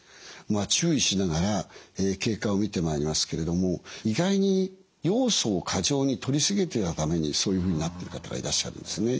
注意しながら経過を見てまいりますけれども意外にヨウ素を過剰にとり過ぎてたためにそういうふうになってる方がいらっしゃるんですね。